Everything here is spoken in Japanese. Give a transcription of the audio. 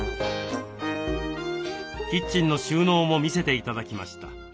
キッチンの収納も見せて頂きました。